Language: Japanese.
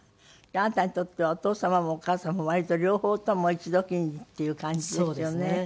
あなたにとってはお父様もお母様も割と両方ともいちどきにっていう感じですよね。